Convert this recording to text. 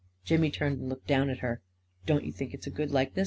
Jimmy turned and looked down at her. " Don't you think it a good likeness?